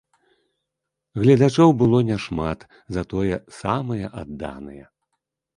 Гледачоў было няшмат, затое самыя адданыя.